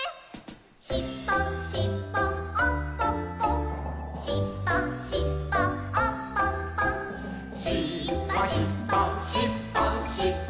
「しっぽしっぽおっぽっぽ」「しっぽしっぽおっぽっぽ」「しっぽしっぽしっぽしっぽ」